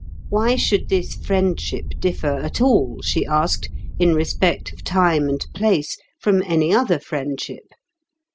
Why should this friendship differ at all, she asked, in respect of time and place, from any other friendship?